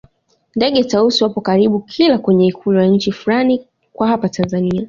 Ndege Tausi wapo karibu kila kwenye ikulu ya nchi fulani kwa hapa tanzania